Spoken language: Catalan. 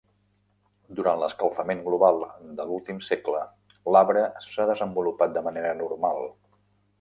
Durant l'escalfament global de l'últim segle, l'arbre s'ha desenvolupat de manera normal.